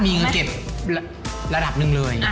มีเงินเก็บระดับหนึ่งเลย